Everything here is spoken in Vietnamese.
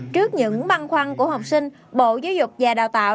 trước những băn khoăn của học sinh bộ giáo dục và đào tạo